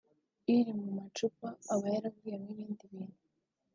iri mu macupa aba yaravuyemo ibindi bintu